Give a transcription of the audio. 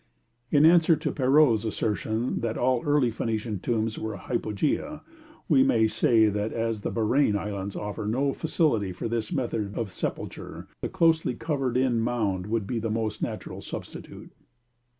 In answer to Perrot's assertion that all early Phoenician tombs were hypogea, we may say that as the Bahrein Islands offered no facility for this method of sepulture, the closely covered in mound would be the most natural substitute.